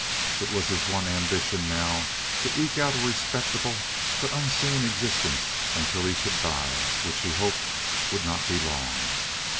It was his one ambition now to eke out a respectable but unseen existence until he should die, which he hoped would not be long.